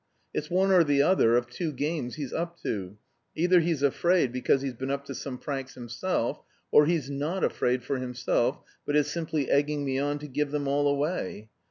It's one or the other of two games he's up to. Either he's afraid because he's been up to some pranks himself... or he's not afraid for himself, but is simply egging me on to give them all away!